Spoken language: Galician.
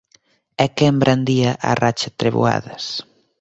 E quen brandía a Rachatreboadas?